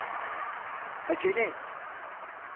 Acele et!